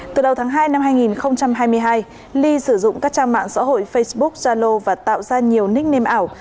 từ đầu tháng hai năm hai nghìn hai mươi hai ly sử dụng các trang mạng xã hội facebook zalo và tạo ra nhiều nicknam ảo